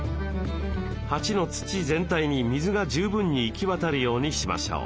鉢の土全体に水が十分に行き渡るようにしましょう。